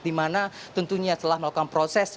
dimana tentunya setelah melakukan proses